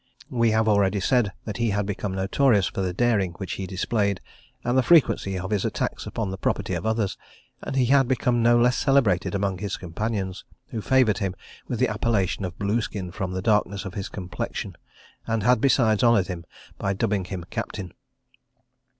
We have already said that he had become notorious for the daring which he displayed, and the frequency of his attacks upon the property of others; and he had become no less celebrated among his companions, who had favoured him with the appellation of Blueskin, from the darkness of his complexion, and had besides honoured him by dubbing him captain.